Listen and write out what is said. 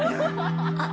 あっ！